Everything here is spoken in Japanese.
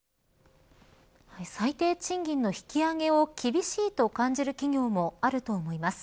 最低賃金の引き上げを厳しいと感じる企業もあると思います。